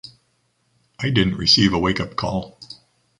I didn't receive a wake-up call.